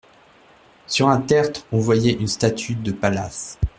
Sur un tertre on voyait une statue de Pallas.